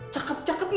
cakep cakep gila